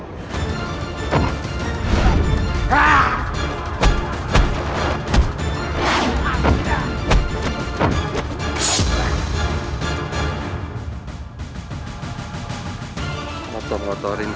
kau akan menang